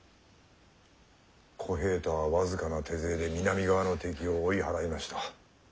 小平太は僅かな手勢で南側の敵を追い払いました。